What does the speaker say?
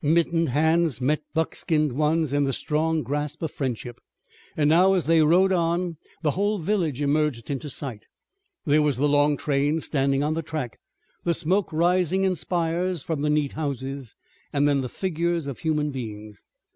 Mittened hands met buckskinned ones in the strong grasp of friendship, and now, as they rode on, the whole village emerged into sight. There was the long train standing on the track, the smoke rising in spires from the neat houses, and then the figures of human beings.